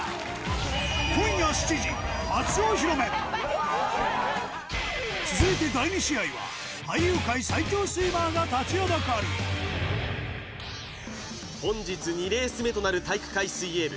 今夜７時初お披露目続いて第２試合は俳優界最強スイマーが立ちはだかる本日２レース目となる体育会水泳部